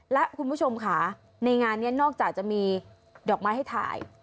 และคุณผู้ชมค่ะในงานนี้นอกจากจะมีดอกไม้ให้ถ่าย